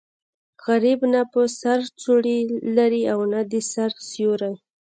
غریب نه په سر څوړی لري او نه د سر سیوری.